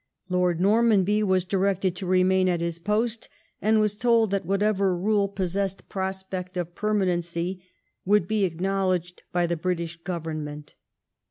Lord Nor manby was directed to remain at his post ; and was told that whatever rule possessed prospect of permanency, would be acknowledged by the British Government.